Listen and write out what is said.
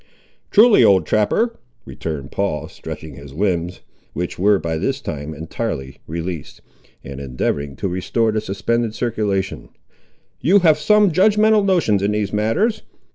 "Truly, old trapper," returned Paul, stretching his limbs, which were by this time entirely released, and endeavouring to restore the suspended circulation, "you have some judgmatical notions in these matters.